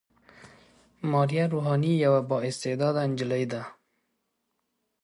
ماريه روحاني يوه با استعداده نجلۍ ده.